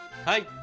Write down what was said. はい。